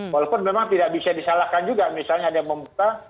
walaupun memang tidak bisa disalahkan juga misalnya dia membuka